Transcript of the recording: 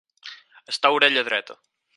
Estar orella dreta.